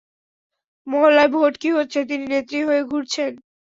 মহল্লায় ভোট কি হচ্ছে তিনি নেত্রী হয়ে ঘুরছেন!